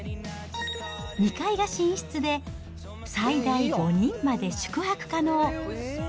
２階が寝室で、最大５人まで宿泊可能。